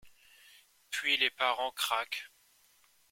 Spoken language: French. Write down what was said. Puis les parents craquent.